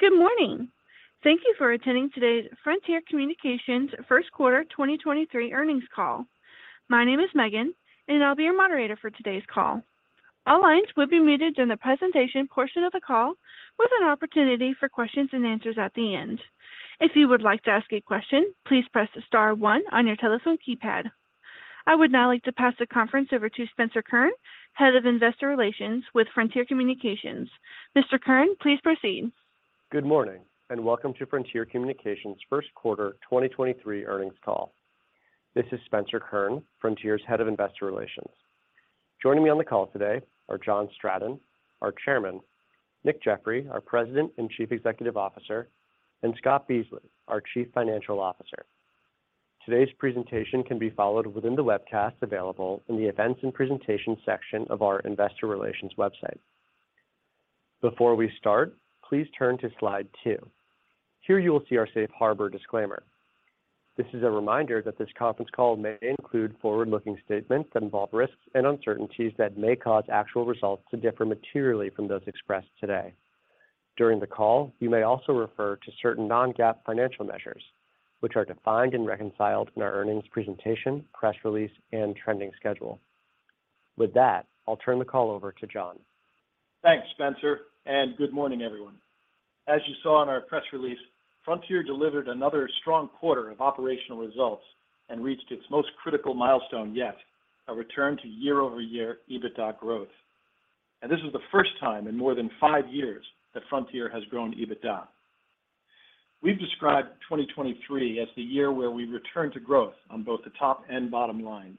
Good morning. Thank you for attending today's Frontier Communications First Quarter 2023 Earnings Call. My name is Megan, and I'll be your moderator for today's call. All lines will be muted during the presentation portion of the call with an opportunity for questions and answers at the end. If you would like to ask a question, please press star one on your telephone keypad. I would now like to pass the conference over to Spencer Kurn, Head of Investor Relations with Frontier Communications. Mr. Kurn, please proceed. Good morning and welcome to Frontier Communications First Quarter 2023 Earnings Call. This is Spencer Kurn, Frontier's Head of Investor Relations. Joining me on the call today are John Stratton, our Chairman, Nick Jeffery, our President and Chief Executive Officer, and Scott Beasley, our Chief Financial Officer. Today's presentation can be followed within the webcast available in the Events and Presentation section of our investor relations website. Before we start, please turn to slide 2. Here you will see our safe harbor disclaimer. This is a reminder that this conference call may include forward-looking statements that involve risks and uncertainties that may cause actual results to differ materially from those expressed today. During the call, you may also refer to certain non-GAAP financial measures, which are defined and reconciled in our earnings presentation, press release and trending schedule. With that, I'll turn the call over to John. Thanks, Spencer, good morning, everyone. As you saw in our press release, Frontier delivered another strong quarter of operational results and reached its most critical milestone yet, a return to year-over-year EBITDA growth. This is the first time in more than five years that Frontier has grown EBITDA. We've described 2023 as the year where we return to growth on both the top and bottom lines.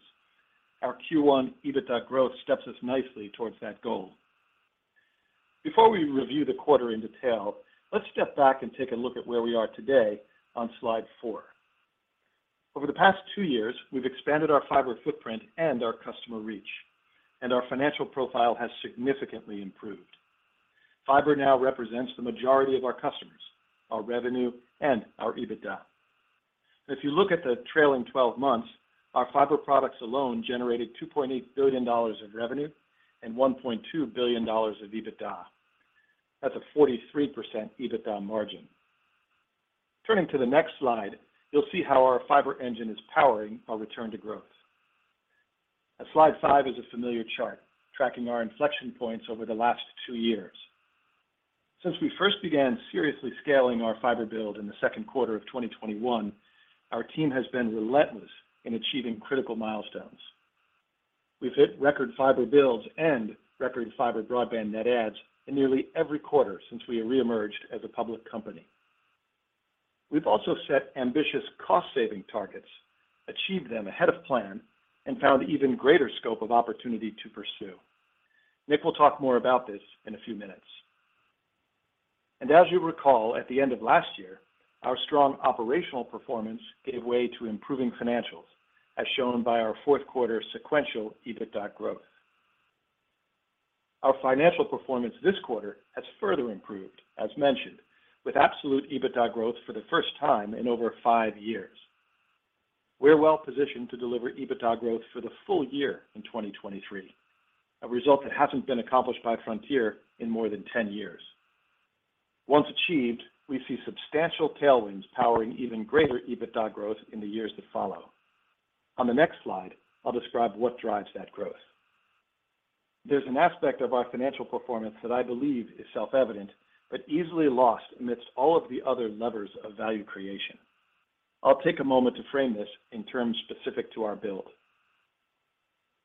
Our Q1 EBITDA growth steps us nicely towards that goal. Before we review the quarter in detail, let's step back and take a look at where we are today on slide 4. Over the past two years, we've expanded our fiber footprint and our customer reach, and our financial profile has significantly improved. Fiber now represents the majority of our customers, our revenue, and our EBITDA. If you look at the trailing twelve months, our fiber products alone generated $2.8 billion of revenue and $1.2 billion of EBITDA. That's a 43% EBITDA margin. Turning to the next slide, you'll see how our fiber engine is powering our return to growth. Slide 5 is a familiar chart tracking our inflection points over the last two years. Since we first began seriously scaling our fiber build in the second quarter of 2021, our team has been relentless in achieving critical milestones. We've hit record fiber builds and record fiber broadband net adds in nearly every quarter since we re-emerged as a public company. We've also set ambitious cost-saving targets, achieved them ahead of plan, and found even greater scope of opportunity to pursue. Nick will talk more about this in a few minutes. As you recall, at the end of last year, our strong operational performance gave way to improving financials, as shown by our fourth quarter sequential EBITDA growth. Our financial performance this quarter has further improved, as mentioned, with absolute EBITDA growth for the first time in over five years. We're well positioned to deliver EBITDA growth for the full year in 2023, a result that hasn't been accomplished by Frontier in more than 10 years. Once achieved, we see substantial tailwinds powering even greater EBITDA growth in the years that follow. On the next slide, I'll describe what drives that growth. There's an aspect of our financial performance that I believe is self-evident, but easily lost amidst all of the other levers of value creation. I'll take a moment to frame this in terms specific to our build.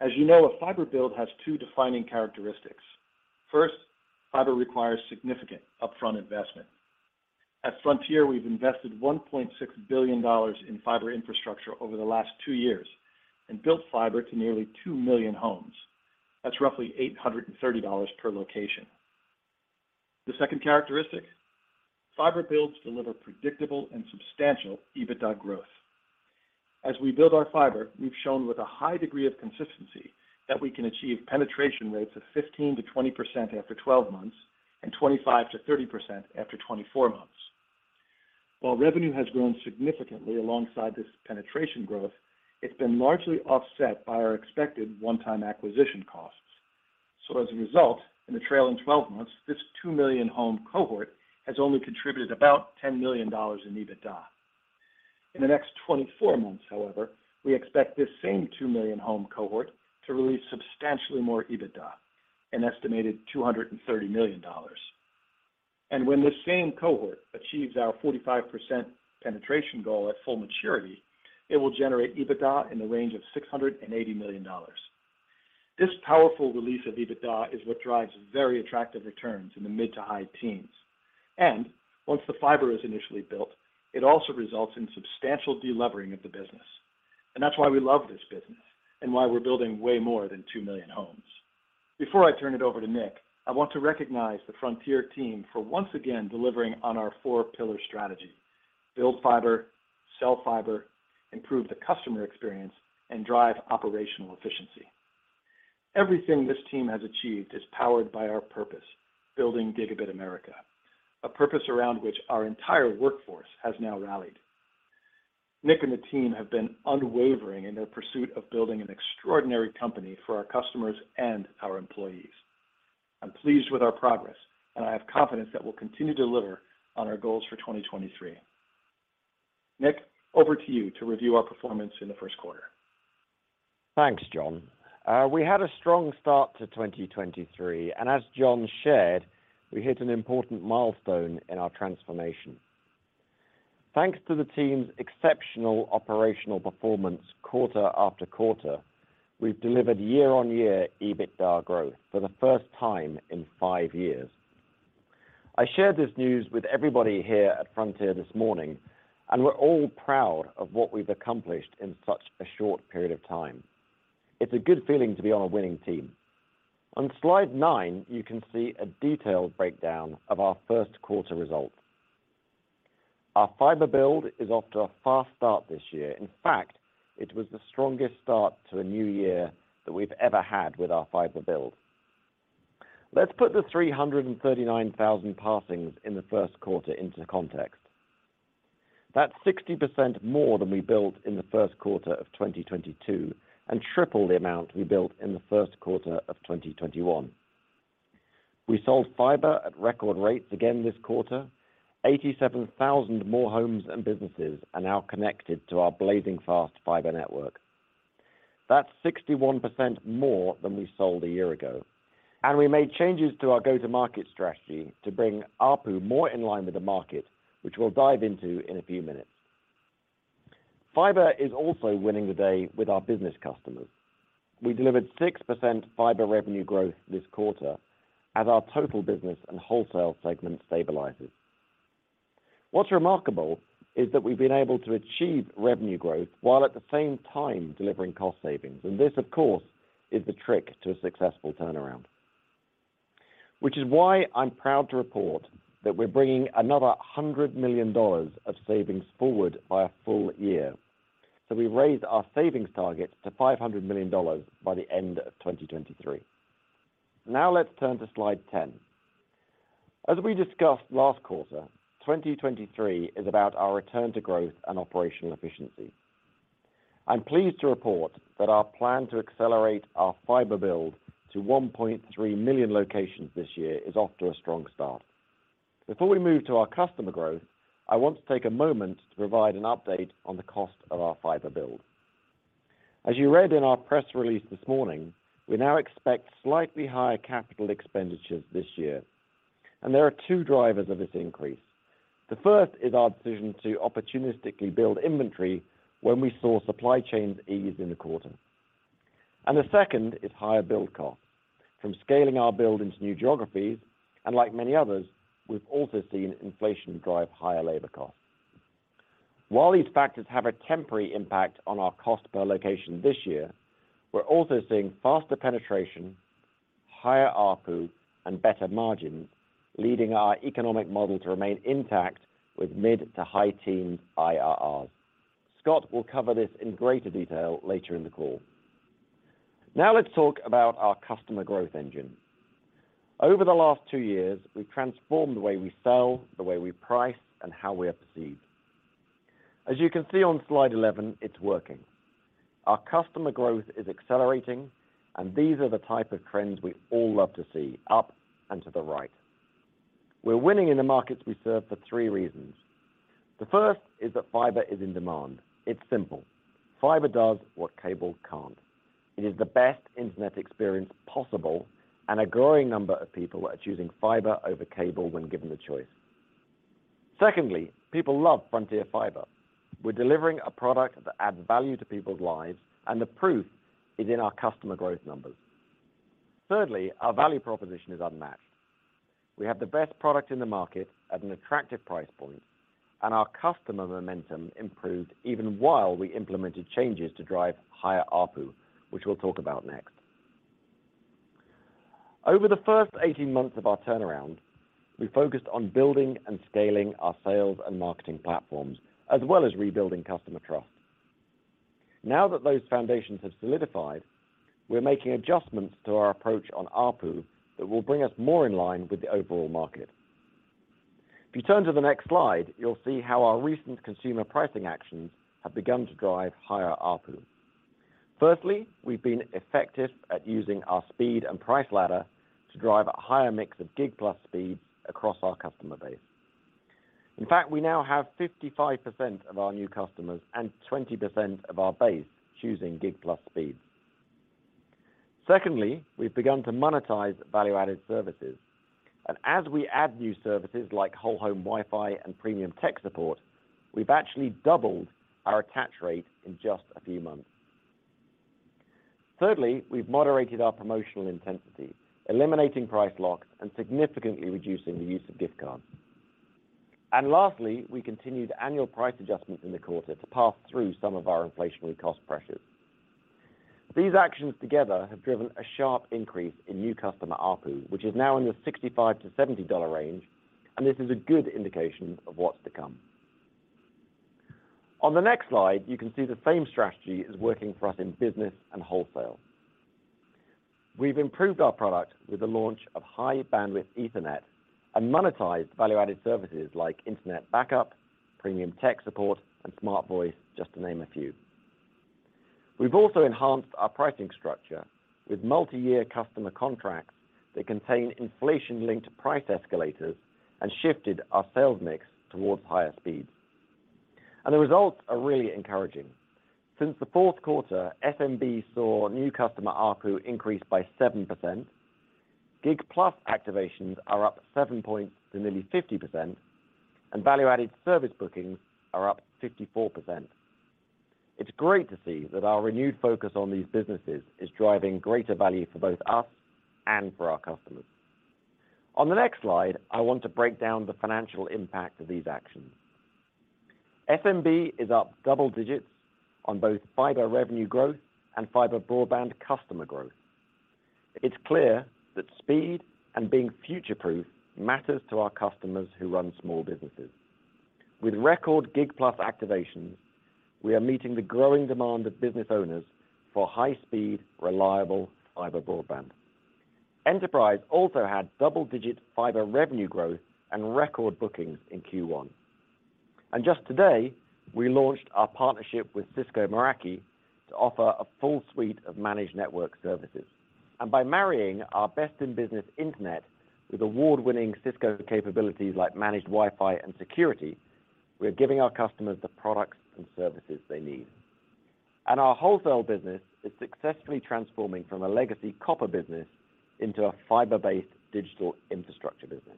As you know, a fiber build has two defining characteristics. First, fiber requires significant upfront investment. At Frontier, we've invested $1.6 billion in fiber infrastructure over the last two years and built fiber to nearly two million homes. That's roughly $830 per location. The second characteristic, fiber builds deliver predictable and substantial EBITDA growth. As we build our fiber, we've shown with a high degree of consistency that we can achieve penetration rates of 15%-20% after 12 months and 25%-30% after 24 months. While revenue has grown significantly alongside this penetration growth, it's been largely offset by our expected one-time acquisition costs. As a result, in the trailing 12 months, this two million home cohort has only contributed about $10 million in EBITDA. In the next 24 months, however, we expect this same two million home cohort to release substantially more EBITDA, an estimated $230 million. When this same cohort achieves our 45% penetration goal at full maturity, it will generate EBITDA in the range of $680 million. This powerful release of EBITDA is what drives very attractive returns in the mid to high teens. Once the fiber is initially built, it also results in substantial de-levering of the business. That's why we love this business and why we're building way more than two million homes. Before I turn it over to Nick, I want to recognize the Frontier team for once again delivering on our four pillar strategy, build fiber, sell fiber, improve the customer experience, and drive operational efficiency. Everything this team has achieved is powered by our purpose, building Gigabit America, a purpose around which our entire workforce has now rallied. Nick and the team have been unwavering in their pursuit of building an extraordinary company for our customers and our employees. I'm pleased with our progress, and I have confidence that we'll continue to deliver on our goals for 2023. Nick, over to you to review our performance in the first quarter. Thanks, John. We had a strong start to 2023, as John shared, we hit an important milestone in our transformation. Thanks to the team's exceptional operational performance quarter after quarter, we've delivered year-on-year EBITDA growth for the first time in five years. I shared this news with everybody here at Frontier this morning. We're all proud of what we've accomplished in such a short period of time. It's a good feeling to be on a winning team. On slide nine, you can see a detailed breakdown of our first quarter results. Our fiber build is off to a fast start this year. In fact, it was the strongest start to a new year that we've ever had with our fiber build. Let's put the 339,000 passings in the first quarter into context. That's 60% more than we built in the first quarter of 2022 and triple the amount we built in the first quarter of 2021. We sold fiber at record rates again this quarter. 87,000 more homes and businesses are now connected to our blazing fast fiber network. That's 61% more than we sold a year ago. We made changes to our go-to-market strategy to bring ARPU more in line with the market, which we'll dive into in a few minutes. Fiber is also winning the day with our business customers. We delivered 6% fiber revenue growth this quarter as our total business and wholesale segment stabilizes. What's remarkable is that we've been able to achieve revenue growth while at the same time delivering cost savings. This, of course, is the trick to a successful turnaround. Which is why I'm proud to report that we're bringing another $100 million of savings forward by a full year. We raised our savings target to $500 million by the end of 2023. Let's turn to slide 10. As we discussed last quarter, 2023 is about our return to growth and operational efficiency. I'm pleased to report that our plan to accelerate our fiber build to 1.3 million locations this year is off to a strong start. Before we move to our customer growth, I want to take a moment to provide an update on the cost of our fiber build. As you read in our press release this morning, we now expect slightly higher capital expenditures this year, and there are two drivers of this increase. The first is our decision to opportunistically build inventory when we saw supply chains ease in the quarter. The second is higher build costs from scaling our build into new geographies, and like many others, we've also seen inflation drive higher labor costs. While these factors have a temporary impact on our cost per location this year, we're also seeing faster penetration, higher ARPU, and better margins, leading our economic model to remain intact with mid to high teen IRRs. Scott will cover this in greater detail later in the call. Now let's talk about our customer growth engine. Over the last two years, we've transformed the way we sell, the way we price, and how we are perceived. As you can see on slide 11, it's working. Our customer growth is accelerating, and these are the type of trends we all love to see, up and to the right. We're winning in the markets we serve for three reasons. The first is that fiber is in demand. It's simple. Fiber does what cable can't. It is the best internet experience possible, and a growing number of people are choosing fiber over cable when given the choice. Secondly, people love Frontier Fiber. We're delivering a product that adds value to people's lives, and the proof is in our customer growth numbers. Thirdly, our value proposition is unmatched. We have the best product in the market at an attractive price point, and our customer momentum improved even while we implemented changes to drive higher ARPU, which we'll talk about next. Over the first 18 months of our turnaround, we focused on building and scaling our sales and marketing platforms, as well as rebuilding customer trust. Now that those foundations have solidified, we're making adjustments to our approach on ARPU that will bring us more in line with the overall market. If you turn to the next slide, you'll see how our recent consumer pricing actions have begun to drive higher ARPU. Firstly, we've been effective at using our speed and price ladder to drive a higher mix of Gig+ speeds across our customer base. In fact, we now have 55% of our new customers and 20% of our base choosing Gig+ speeds. Secondly, we've begun to monetize value-added services. As we add new services like whole home Wi-Fi and premium tech support, we've actually doubled our attach rate in just a few months. Thirdly, we've moderated our promotional intensity, eliminating price locks and significantly reducing the use of gift cards. Lastly, we continued annual price adjustments in the quarter to pass through some of our inflationary cost pressures. These actions together have driven a sharp increase in new customer ARPU, which is now in the $65-$70 range, and this is a good indication of what's to come. On the next slide, you can see the same strategy is working for us in business and wholesale. We've improved our product with the launch of high-bandwidth Ethernet and monetized value-added services like Internet backup, premium tech support, and SmartVoice, just to name a few. We've also enhanced our pricing structure with multi-year customer contracts that contain inflation-linked price escalators and shifted our sales mix towards higher speeds. The results are really encouraging. Since the fourth quarter, SMB saw new customer ARPU increase by 7%. Gig+ activations are up 7 points to nearly 50%, and value-added service bookings are up 54%. It's great to see that our renewed focus on these businesses is driving greater value for both us and for our customers. On the next slide, I want to break down the financial impact of these actions. SMB is up double digits on both fiber revenue growth and fiber broadband customer growth. It's clear that speed and being future-proof matters to our customers who run small businesses. With record Gig+ activations, we are meeting the growing demand of business owners for high-speed, reliable fiber broadband. Enterprise also had double-digit fiber revenue growth and record bookings in Q1. Just today, we launched our partnership with Cisco Meraki to offer a full suite of managed network services. By marrying our best-in-business internet with award-winning Cisco capabilities like managed Wi-Fi and security, we're giving our customers the products and services they need. Our wholesale business is successfully transforming from a legacy copper business into a fiber-based digital infrastructure business.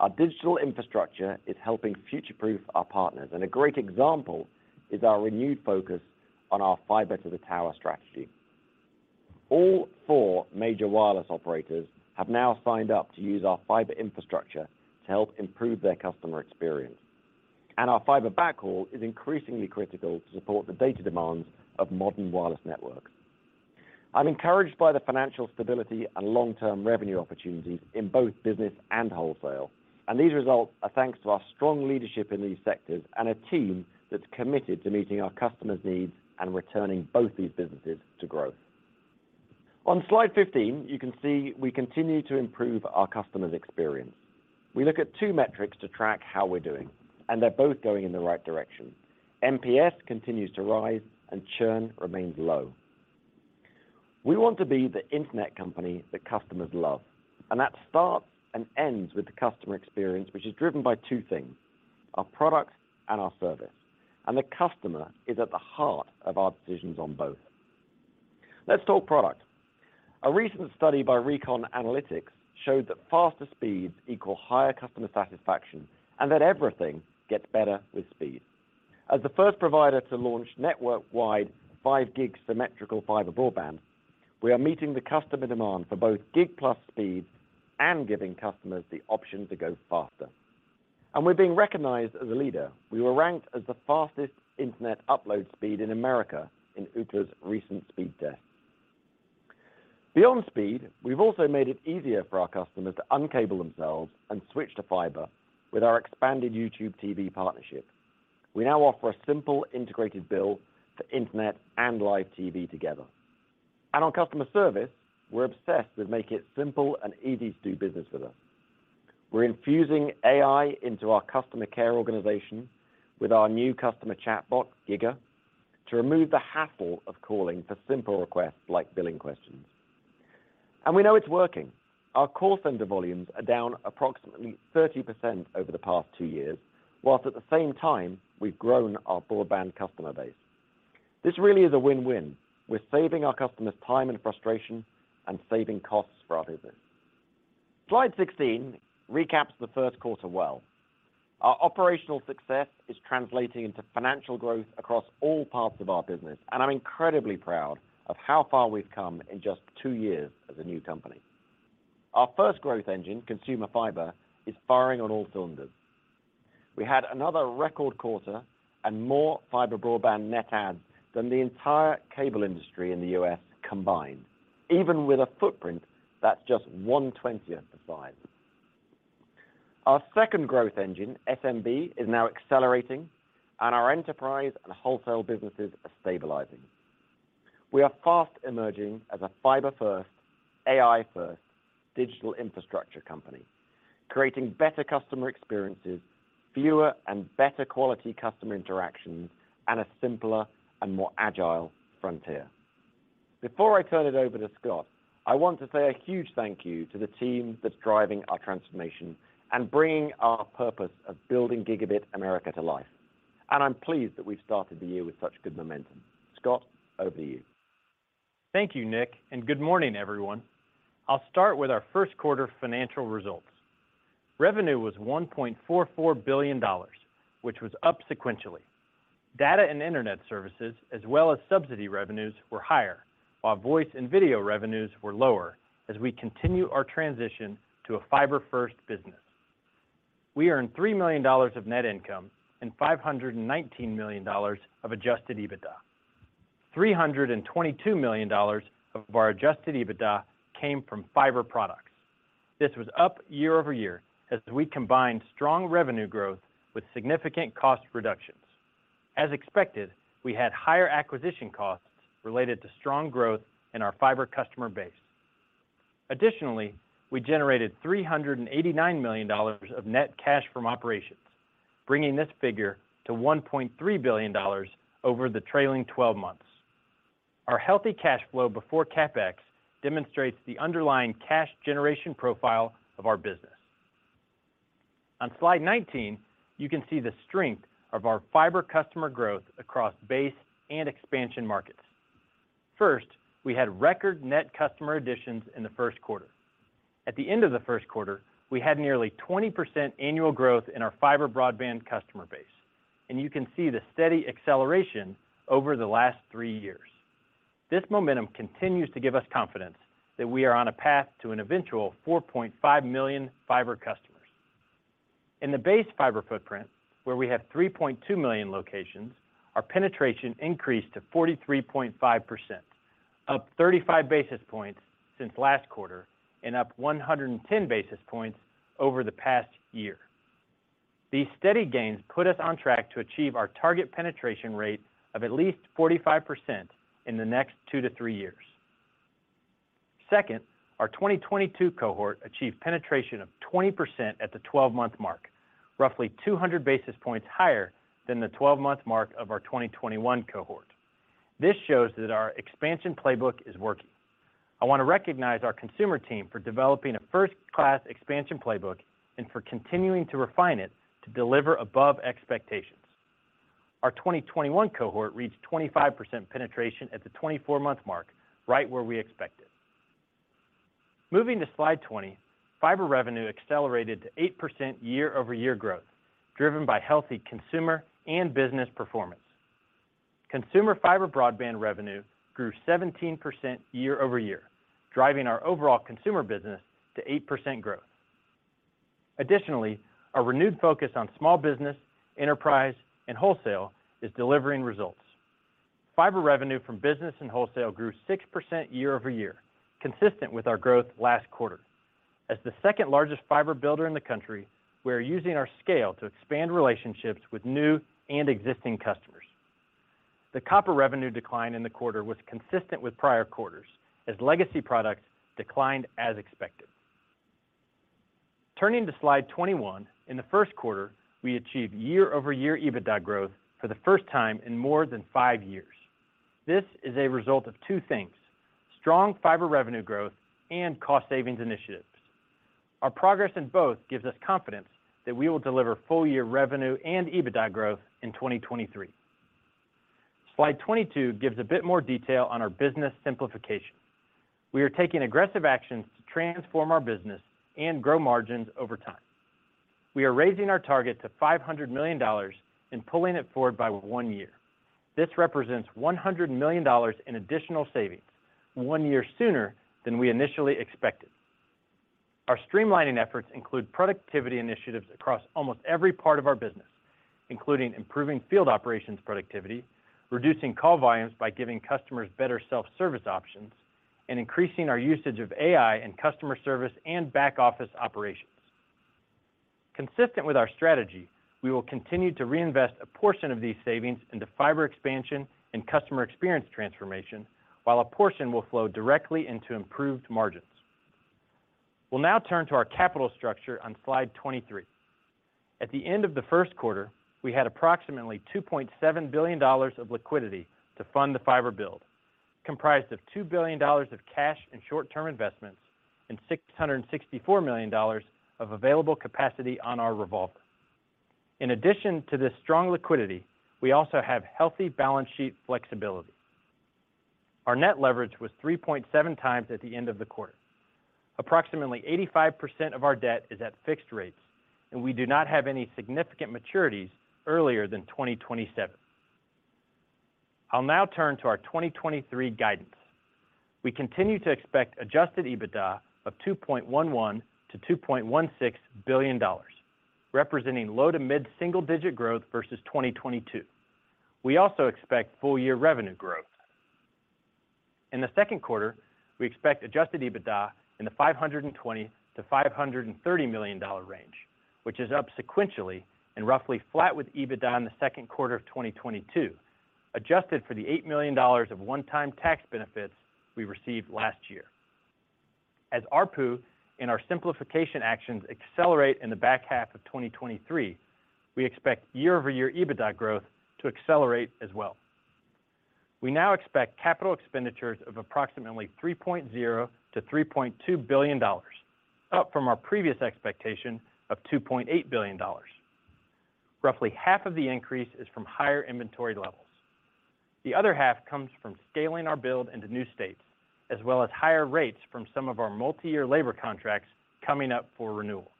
Our digital infrastructure is helping future-proof our partners, and a great example is our renewed focus on our fiber to the tower strategy. All four major wireless operators have now signed up to use our fiber infrastructure to help improve their customer experience. Our fiber backhaul is increasingly critical to support the data demands of modern wireless networks. I'm encouraged by the financial stability and long-term revenue opportunities in both business and wholesale, and these results are thanks to our strong leadership in these sectors and a team that's committed to meeting our customers' needs and returning both these businesses to growth. On slide 15, you can see we continue to improve our customers' experience. We look at two metrics to track how we're doing. They're both going in the right direction. NPS continues to rise. Churn remains low. We want to be the Internet company that customers love. That starts and ends with the customer experience, which is driven by two things: our products and our service. The customer is at the heart of our decisions on both. Let's talk product. A recent study by Recon Analytics showed that faster speeds equal higher customer satisfaction and that everything gets better with speed. As the first provider to launch network-wide five Gig symmetrical fiber broadband, we are meeting the customer demand for both Gig+ speeds and giving customers the option to go faster. We're being recognized as a leader. We were ranked as the fastest Internet upload speed in America in Ookla's recent speed test. Beyond speed, we've also made it easier for our customers to uncable themselves and switch to fiber with our expanded YouTube TV partnership. We now offer a simple, integrated bill for Internet and live TV together. On customer service, we're obsessed with making it simple and easy to do business with us. We're infusing AI into our customer care organization with our new customer chatbot, Giga, to remove the hassle of calling for simple requests like billing questions. We know it's working. Our call center volumes are down approximately 30% over the past two years, whilst at the same time, we've grown our broadband customer base. This really is a win-win. We're saving our customers time and frustration and saving costs for our business. Slide 16 recaps the first quarter well. Our operational success is translating into financial growth across all parts of our business. I'm incredibly proud of how far we've come in just two years as a new company. Our first growth engine, consumer fiber, is firing on all cylinders. We had another record quarter. More fiber broadband net adds than the entire cable industry in the U.S. combined, even with a footprint that's just 120th the size. Our second growth engine, SMB, is now accelerating. Our enterprise and wholesale businesses are stabilizing. We are fast emerging as a fiber-first, AI-first digital infrastructure company, creating better customer experiences, fewer and better quality customer interactions, and a simpler and more agile Frontier. Before I turn it over to Scott, I want to say a huge thank you to the team that's driving our transformation and bringing our purpose of building Gigabit America to life. I'm pleased that we've started the year with such good momentum. Scott, over to you. Thank you, Nick, and good morning, everyone. I'll start with our first quarter financial results. Revenue was $1.44 billion, which was up sequentially. Data and Internet services, as well as subsidy revenues, were higher, while voice and video revenues were lower as we continue our transition to a fiber-first business. We earned $3 million of net income and $519 million of adjusted EBITDA. $322 million of our adjusted EBITDA came from fiber products. This was up year-over-year as we combined strong revenue growth with significant cost reductions. As expected, we had higher acquisition costs related to strong growth in our fiber customer base. Additionally, we generated $389 million of net cash from operations, bringing this figure to $1.3 billion over the trailing 12 months. Our healthy cash flow before CapEx demonstrates the underlying cash generation profile of our business. On slide 19, you can see the strength of our fiber customer growth across base and expansion markets. First, we had record net customer additions in the first quarter. At the end of the first quarter, we had nearly 20% annual growth in our fiber broadband customer base, and you can see the steady acceleration over the last three years. This momentum continues to give us confidence that we are on a path to an eventual 4.5 million fiber customers. In the base fiber footprint, where we have 3.2 million locations, our penetration increased to 43.5%, up 35 basis points since last quarter and up 110 basis points over the past year. These steady gains put us on track to achieve our target penetration rate of at least 45% in the next two to three years. Second, our 2022 cohort achieved penetration of 20% at the 12-month mark, roughly 200 basis points higher than the 12-month mark of our 2021 cohort. This shows that our expansion playbook is working. I want to recognize our consumer team for developing a first-class expansion playbook and for continuing to refine it to deliver above expectations. Our 2021 cohort reached 25% penetration at the 24-month mark, right where we expected. Moving to slide 20, fiber revenue accelerated to 8% year-over-year growth, driven by healthy consumer and business performance. Consumer fiber broadband revenue grew 17% year-over-year, driving our overall consumer business to 8% growth. Additionally, our renewed focus on small business, enterprise, and wholesale is delivering results. Fiber revenue from business and wholesale grew 6% year-over-year, consistent with our growth last quarter. As the second-largest fiber builder in the country, we are using our scale to expand relationships with new and existing customers. The copper revenue decline in the quarter was consistent with prior quarters as legacy products declined as expected. Turning to slide 21, in the first quarter, we achieved year-over-year EBITDA growth for the first time in more than five years. This is a result of two things, strong fiber revenue growth and cost savings initiatives. Our progress in both gives us confidence that we will deliver full year revenue and EBITDA growth in 2023. Slide 22 gives a bit more detail on our business simplification. We are taking aggressive actions to transform our business and grow margins over time. We are raising our target to $500 million and pulling it forward by one year. This represents $100 million in additional savings one year sooner than we initially expected. Our streamlining efforts include productivity initiatives across almost every part of our business, including improving field operations productivity, reducing call volumes by giving customers better self-service options, and increasing our usage of AI in customer service and back office operations. Consistent with our strategy, we will continue to reinvest a portion of these savings into fiber expansion and customer experience transformation, while a portion will flow directly into improved margins. We'll now turn to our capital structure on slide 23. At the end of the first quarter, we had approximately $2.7 billion of liquidity to fund the fiber build, comprised of $2 billion of cash and short-term investments, and $664 million of available capacity on our revolver. In addition to this strong liquidity, we also have healthy balance sheet flexibility. Our net leverage was 3.7x at the end of the quarter. Approximately 85% of our debt is at fixed rates, and we do not have any significant maturities earlier than 2027. I'll now turn to our 2023 guidance. We continue to expect adjusted EBITDA of $2.11 billion-$2.16 billion, representing low to mid single digit growth versus 2022. We also expect full year revenue growth. In the second quarter, we expect adjusted EBITDA in the $520 million-$530 million range, which is up sequentially and roughly flat with EBITDA in the second quarter of 2022. Adjusted for the $8 million of one-time tax benefits we received last year. As ARPU and our simplification actions accelerate in the back half of 2023, we expect year-over-year EBITDA growth to accelerate as well. We now expect capital expenditures of approximately $3.0 billion-$3.2 billion, up from our previous expectation of $2.8 billion. Roughly half of the increase is from higher inventory levels. The other half comes from scaling our build into new states, as well as higher rates from some of our multi-year labor contracts coming up for renewal.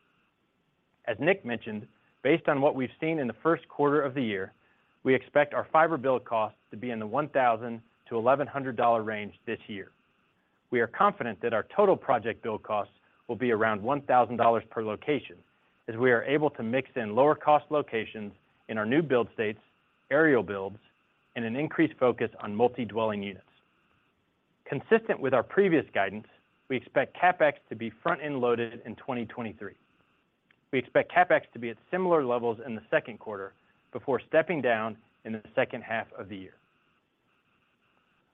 As Nick mentioned, based on what we've seen in the first quarter of the year, we expect our fiber build cost to be in the $1,000-$1,100 range this year. We are confident that our total project build costs will be around $1,000 per location as we are able to mix in lower cost locations in our new build states, aerial builds, and an increased focus on multi-dwelling units. Consistent with our previous guidance, we expect CapEx to be front-end loaded in 2023. We expect CapEx to be at similar levels in the second quarter before stepping down in the second half of the year.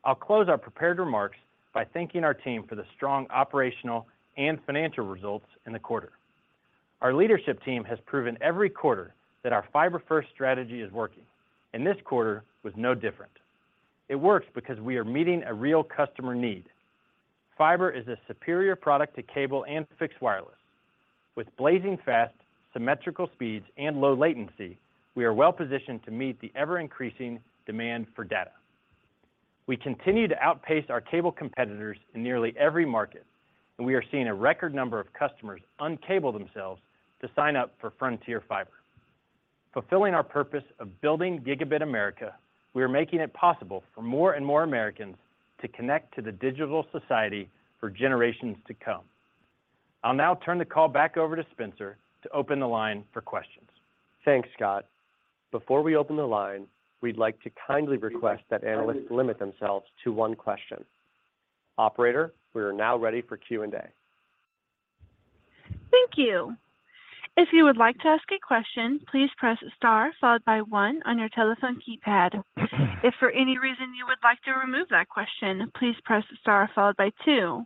I'll close our prepared remarks by thanking our team for the strong operational and financial results in the quarter. Our leadership team has proven every quarter that our fiber-first strategy is working. This quarter was no different. It works because we are meeting a real customer need. Fiber is a superior product to cable and fixed wireless. With blazing fast symmetrical speeds and low latency, we are well-positioned to meet the ever-increasing demand for data. We continue to outpace our cable competitors in nearly every market, and we are seeing a record number of customers uncable themselves to sign up for Frontier Fiber. Fulfilling our purpose of building Gigabit America, we are making it possible for more and more Americans to connect to the digital society for generations to come. I'll now turn the call back over to Spencer to open the line for questions. Thanks, Scott. Before we open the line, we'd like to kindly request that analysts limit themselves to 1Question. Operator, we are now ready for Q&A. Thank you. If you would like to ask a question, please press star followed by one on your telephone keypad. If for any reason you would like to remove that question, please press star followed by two.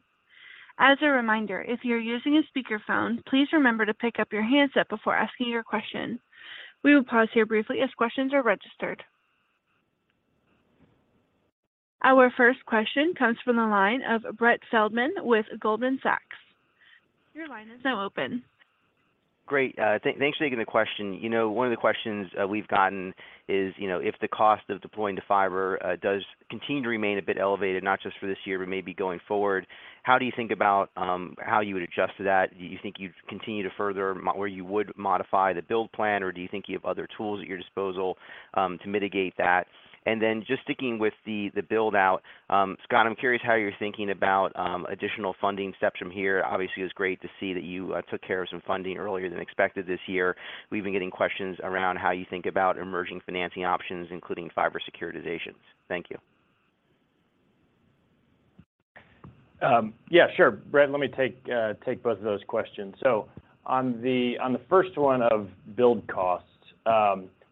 As a reminder, if you're using a speakerphone, please remember to pick up your handset before asking your question. We will pause here briefly as questions are registered. Our first question comes from the line of Brett Feldman with Goldman Sachs. Your line is now open. Great. Thanks for taking the question. You know, one of the questions we've gotten is, you know, if the cost of deploying the fiber does continue to remain a bit elevated, not just for this year, but maybe going forward, how do you think about how you would adjust to that? Do you think you'd continue to further or you would modify the build plan, or do you think you have other tools at your disposal to mitigate that? Just sticking with the build out, Scott, I'm curious how you're thinking about additional funding steps from here. Obviously, it was great to see that you took care of some funding earlier than expected this year. We've been getting questions around how you think about emerging financing options, including fiber securitizations. Thank you. Yeah, sure. Brett, let me take both of those questions. On the first one of build costs,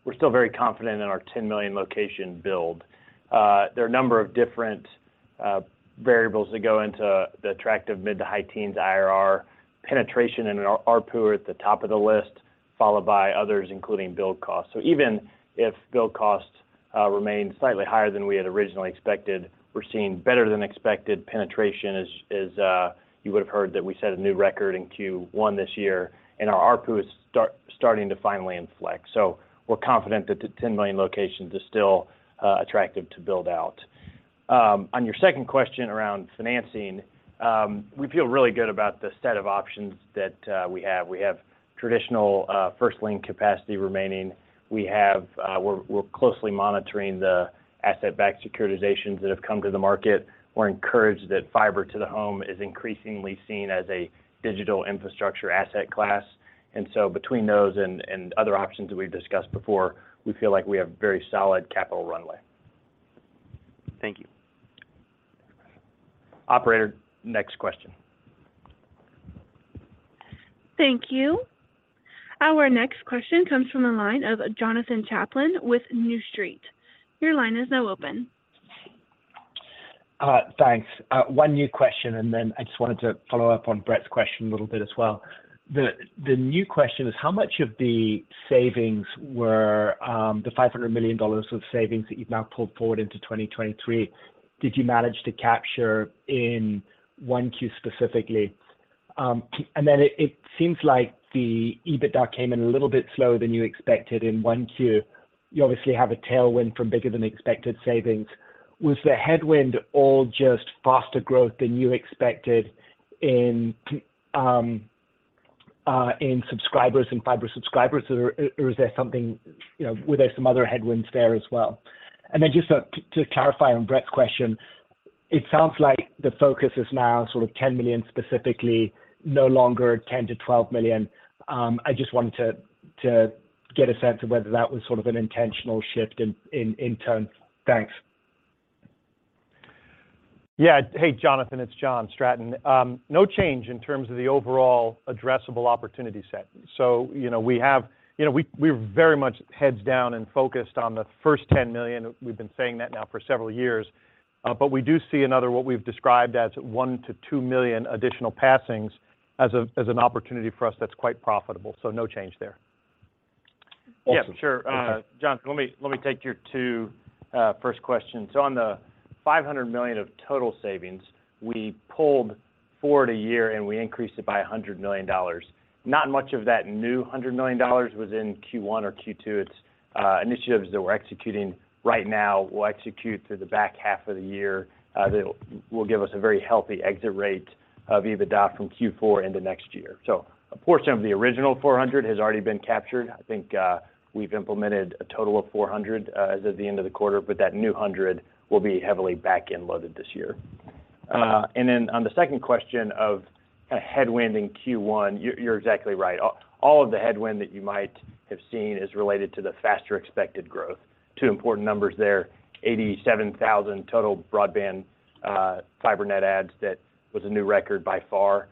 we're still very confident in our 10 million location build. There are a number of different variables that go into the attractive mid to high teens IRR penetration in an R-ARPU at the top of the list, followed by others, including build costs. Even if build costs remain slightly higher than we had originally expected, we're seeing better than expected penetration. As you would have heard, that we set a new record in Q1 this year, and our ARPU is starting to finally inflect. We're confident that the 10 million locations is still attractive to build out. On your second question around financing, we feel really good about the set of options that we have. We have traditional, first lien capacity remaining. We have, we're closely monitoring the asset-backed securitizations that have come to the market. We're encouraged that fiber to the home is increasingly seen as a digital infrastructure asset class. Between those and other options that we've discussed before, we feel like we have very solid capital runway. Thank you. Operator, next question. Thank you. Our next question comes from the line of Jonathan Chaplin with New Street. Your line is now open. Thanks. One new question, I just wanted to follow up on Brett Feldman's question a little bit as well. The new question is, how much of the savings were, the $500 million of savings that you've now pulled forward into 2023, did you manage to capture in 1Q specifically? It seems like the EBITDA came in a little bit slower than you expected in 1Q. You obviously have a tailwind from bigger than expected savings. Was the headwind all just faster growth than you expected in subscribers, in fiber subscribers, or is there something, you know, were there some other headwinds there as well? Just to clarify on Brett Feldman's question, it sounds like the focus is now sort of 10 million specifically, no longer 10 million-12 million. I just wanted to get a sense of whether that was sort of an intentional shift in terms. Thanks. Hey, Jonathan, it's John Stratton. No change in terms of the overall addressable opportunity set. You know, we have, you know, we're very much heads down and focused on the first 10 million. We've been saying that now for several years, but we do see another what we've described as 1 million-2 million additional passings as an opportunity for us that's quite profitable. No change there. Yeah, sure. Jonathan, let me, let me take your two first questions. On the $500 million of total savings, we pulled forward a year, and we increased it by $100 million. Not much of that new $100 million was in Q1 or Q2. It's initiatives that we're executing right now will execute through the back half of the year that will give us a very healthy exit rate of EBITDA from Q4 into next year. A portion of the original $400 million has already been captured. I think we've implemented a total of $400 million as of the end of the quarter, but that new $100 million will be heavily back-end loaded this year. On the second question of ARPU headwind in Q1, you're exactly right. All of the headwind that you might have seen is related to the faster expected growth. Two important numbers there, 87,000 total broadband fiber net adds that was a new record by far.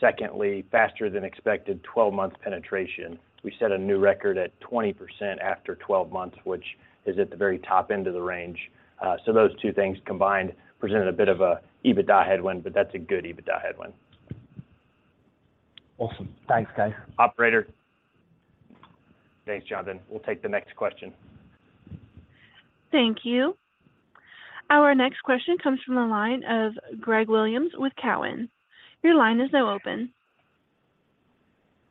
Secondly, faster than expected 12-month penetration. We set a new record at 20% after 12 months, which is at the very top end of the range. Those two things combined presented a bit of a EBITDA headwind, but that's a good EBITDA headwind. Awesome. Thanks, guys. Thanks, Jonathan. We'll take the next question. Thank you. Our next question comes from the line of Greg Williams with Cowen. Your line is now open.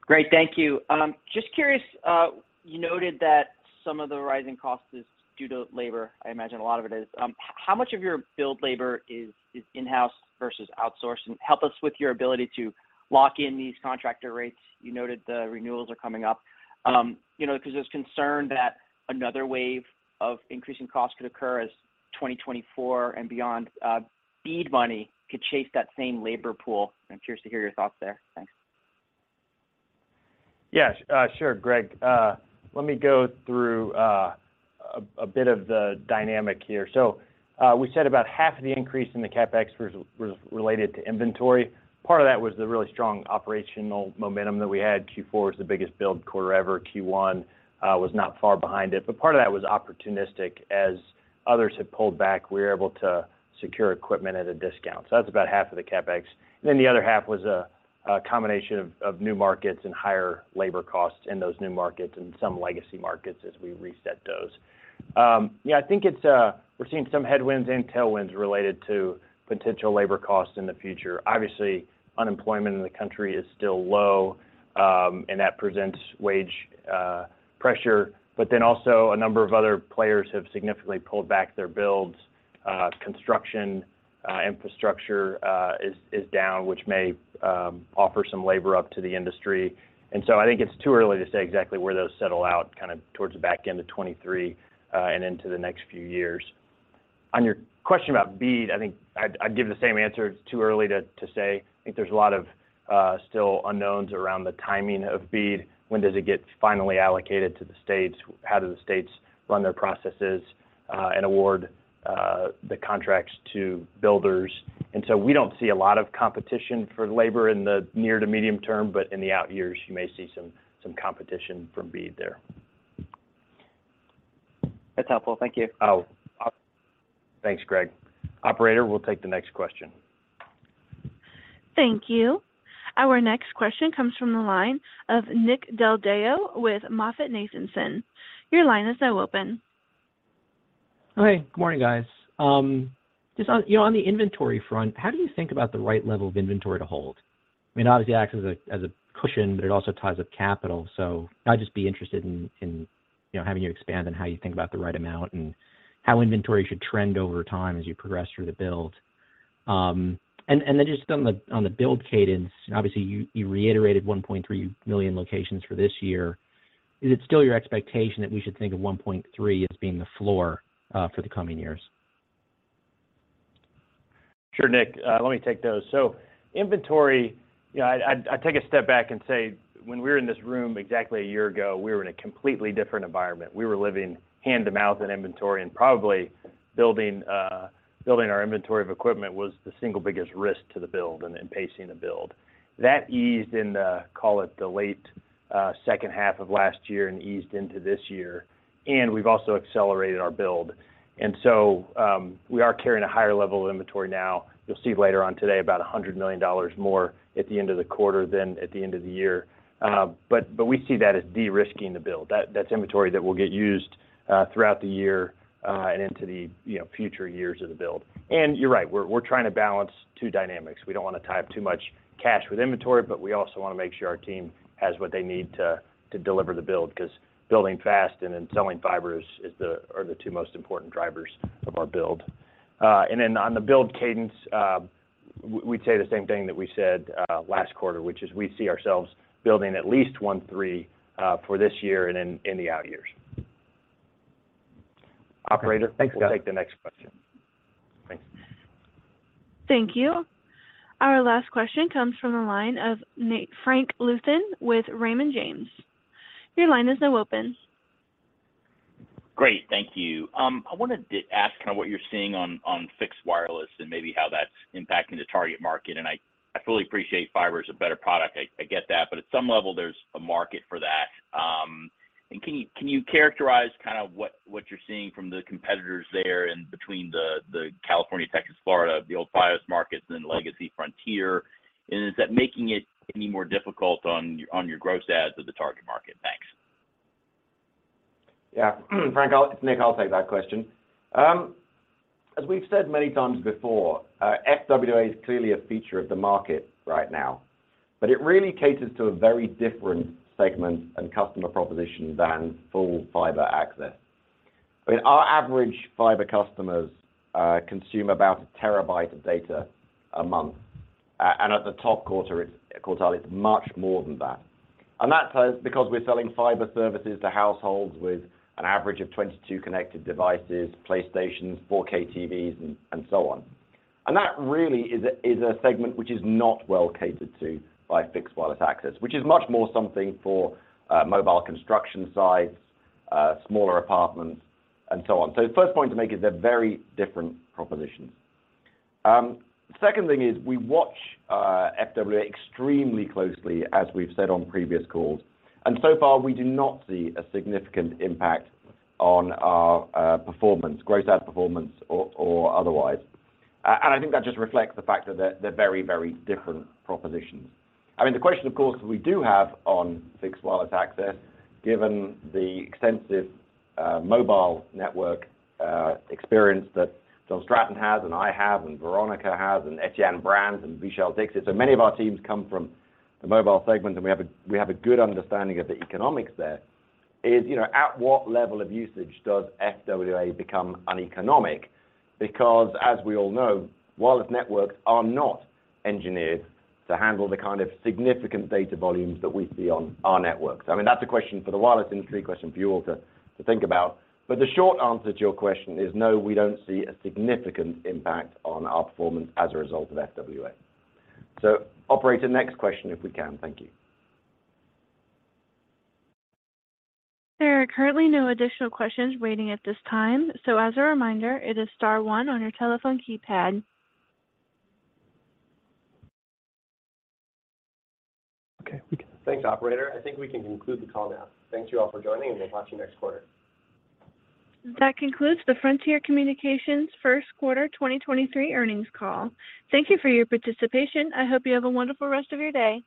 Great. Thank you. Just curious, you noted that some of the rising cost is due to labor. I imagine a lot of it is. How much of your build labor is in-house versus outsourced? And help us with your ability to lock in these contractor rates. You noted the renewals are coming up. You know, 'cause there's concern that another wave of increasing costs could occur as 2024 and beyond, BEAD money could chase that same labor pool. I'm curious to hear your thoughts there. Thanks. Yeah. Sure, Greg. Let me go through a bit of the dynamic here. We said about half of the increase in the CapEx was related to inventory. Part of that was the really strong operational momentum that we had. Q4 is the biggest build quarter ever. Q1 was not far behind it. Part of that was opportunistic. As others have pulled back, we were able to secure equipment at a discount. That's about half of the CapEx. Then the other half was a combination of new markets and higher labor costs in those new markets and some legacy markets as we reset those. Yeah, I think it's, we're seeing some headwinds and tailwinds related to potential labor costs in the future. Obviously, unemployment in the country is still low, and that presents wage pressure. Also a number of other players have significantly pulled back their builds. Construction infrastructure is down, which may offer some labor up to the industry. I think it's too early to say exactly where those settle out, kind of towards the back end of 2023 and into the next few years. On your question about BEAD, I think I'd give the same answer. It's too early to say. I think there's a lot of still unknowns around the timing of BEAD. When does it get finally allocated to the states? How do the states run their processes and award the contracts to builders? We don't see a lot of competition for labor in the near to medium term, but in the out years, you may see some competition from BEAD there. That's helpful. Thank you. Oh, thanks, Greg. Operator, we'll take the next question. Thank you. Our next question comes from the line of Nick Del Deo with MoffettNathanson. Your line is now open. Hey, good morning, guys. Just on, you know, on the inventory front, how do you think about the right level of inventory to hold? I mean, obviously, it acts as a, as a cushion, but it also ties up capital. I'd just be interested in, you know, having you expand on how you think about the right amount and how inventory should trend over time as you progress through the build. Then just on the, on the build cadence, obviously, you reiterated 1.3 million locations for this year. Is it still your expectation that we should think of 1.3 as being the floor for the coming years? Sure, Nick. Let me take those. Inventory, you know, I'd take a step back and say when we were in this room exactly a year ago, we were in a completely different environment. We were living hand to mouth in inventory, and probably building our inventory of equipment was the single biggest risk to the build and pacing the build. That eased in the, call it, the late second half of last year and eased into this year, and we've also accelerated our build. We are carrying a higher level of inventory now. You'll see later on today about $100 million more at the end of the quarter than at the end of the year. But we see that as de-risking the build. That's inventory that will get used throughout the year and into the, you know, future years of the build. You're right, we're trying to balance two dynamics. We don't wanna tie up too much cash with inventory, but we also wanna make sure our team has what they need to deliver the build. 'Cause building fast and then selling fiber are the two most important drivers of our build. Then on the build cadence, we'd say the same thing that we said last quarter, which is we see ourselves building at least one three for this year and the out years. Okay. Thanks, guys. Operator, we'll take the next question. Thanks. Thank you. Our last question comes from the line of Frank Louthan with Raymond James. Your line is now open. Great. Thank you. I wanted to ask kind of what you're seeing on fixed wireless and maybe how that's impacting the target market. I fully appreciate fiber is a better product. I get that. At some level, there's a market for that. Can you characterize kind of what you're seeing from the competitors there and between the California, Texas, Florida, the old Fios markets and then Legacy Frontier? Is that making it any more difficult on your gross adds of the target market? Thanks. Yeah. Frank, Nick, I'll take that question. As we've said many times before, FWA is clearly a feature of the market right now. It really caters to a very different segment and customer proposition than full fiber access. I mean, our average fiber customers consume about a terabyte of data a month. At the top quartile, it's much more than that. That's because we're selling fiber services to households with an average of 22 connected devices, PlayStations, 4K TVs, and so on. That really is a segment which is not well catered to by fixed wireless access, which is much more something for mobile construction sites, smaller apartments, and so on. The first point to make is they're very different propositions. Second thing is we watch FWA extremely closely, as we've said on previous calls. So far, we do not see a significant impact on our performance, gross add performance or otherwise. I think that just reflects the fact that they're very, very different propositions. I mean, the question, of course, we do have on fixed wireless access, given the extensive mobile network experience that John Stratton has and I have and Veronica has and Etienne Brand and Vishal Dixit, so many of our teams come from the mobile segment, and we have a good understanding of the economics there, is, you know, at what level of usage does FWA become uneconomic? As we all know, wireless networks are not engineered to handle the kind of significant data volumes that we see on our networks. I mean, that's a question for the wireless industry, a question for you all to think about. The short answer to your question is no, we don't see a significant impact on our performance as a result of FWA. Operator, next question if we can. Thank you. There are currently no additional questions waiting at this time. As a reminder, it is star one on your telephone keypad. Okay, we can. Thanks, operator. I think we can conclude the call now. Thank you all for joining, and we'll talk to you next quarter. That concludes the Frontier Communications first quarter 2023 earnings call. Thank you for your participation. I hope you have a wonderful rest of your day.